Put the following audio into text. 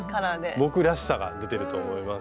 僕らしさが出てると思います。